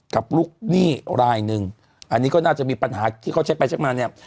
กับลูกหนี้รายหนึ่งอันนี้ก็น่าจะมีปัญหาที่เขาเช็คไปเช็คมาเนี่ย